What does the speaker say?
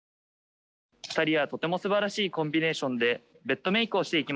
２人はとてもすばらしいコンビネーションでベッドメイクをしていきます。